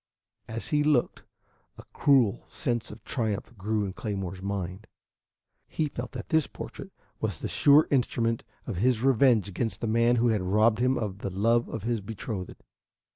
As he looked, a cruel sense of triumph grew in Claymore's mind. He felt that this portrait was the sure instrument of his revenge against the man who had robbed him of the love of his betrothed.